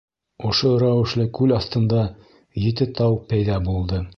Ошо рәүешле күл аҫтында ете тау пәйҙә булды.